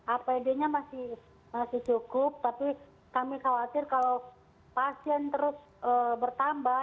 apd nya masih cukup tapi kami khawatir kalau pasien terus bertambah